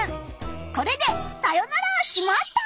これでさよなら「しまった！」。